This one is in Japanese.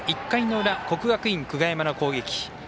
１回の裏、国学院久我山の攻撃。